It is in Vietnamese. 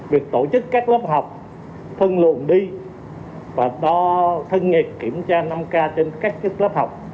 việc tổ chức các lớp học phân luận đi và đo thân nhiệt kiểm tra năm k trên các lớp học